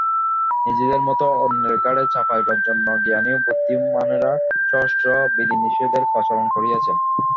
নিজেদের মত অন্যের ঘাড়ে চাপাইবার জন্য জ্ঞানী ও বুদ্ধিমানেরা সহস্র বিধিনিষেধের প্রচলন করিয়াছেন।